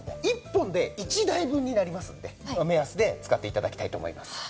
１本で１台分になりますんで目安で使って頂きたいと思います。